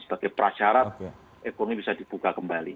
sebagai prasyarat ekonomi bisa dibuka kembali